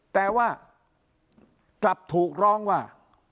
แต่ว่ากลับถูกร้องว่า